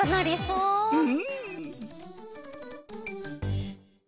うん。